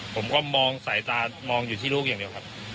ผมก็มองสายตามองอยู่ที่ลูกอย่างเดียวครับ